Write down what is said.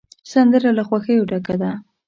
سندره له خوښیو ډکه ده